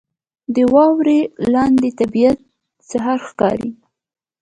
• د واورې لاندې طبیعت سحر ښکاري.